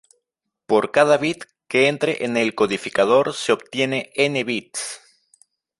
Por cada bit que entre en el codificador se obtienen "n" bits.